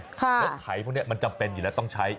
รถไถพวกนี้มันจำเป็นอยู่แล้วต้องใช้